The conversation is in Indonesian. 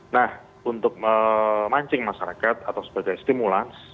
nah untuk memancing masyarakat atau sebagai stimulans